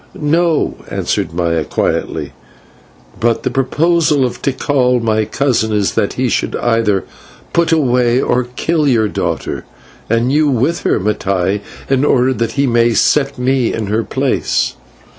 "No," answered Maya quietly, "but the proposal of Tikal, my cousin, is, that he should either put away or kill your daughter and you with her, Mattai in order that he may set me in her place."